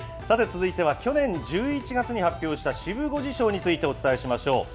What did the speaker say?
さて、続いては去年１１月に発表したシブ５時賞についてお伝えしましょう。